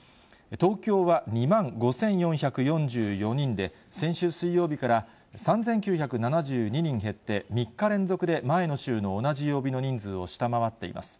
東京は２万５４４４人で、先週水曜日から３９７２人減って３日連続で前の週の同じ曜日の人数を下回っています。